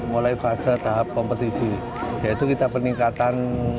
mulai fase tahap kompetisi yaitu kita peningkatan